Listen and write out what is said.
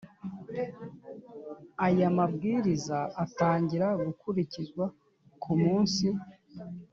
Aya Mabwiriza atangira gukurikizwa ku munsi